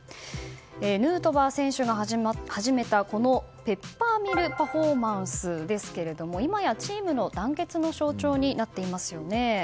ヌートバー選手が始めたペッパーミルパフォーマンスですけれども今やチームの団結の象徴になっていますよね。